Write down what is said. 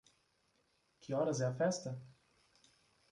Que horas é a festa?